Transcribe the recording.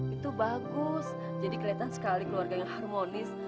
itu bagus jadi kelihatan sekali keluarga yang harmonis